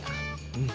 うん。